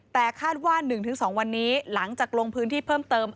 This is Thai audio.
แต่คาดว่า๑๒วันนี้หลังจากลงพื้นที่เพิ่มเติม